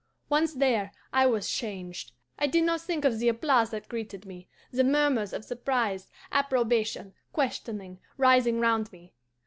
"Once there I was changed. I did not think of the applause that greeted me, the murmurs of surprise, approbation, questioning, rising round me.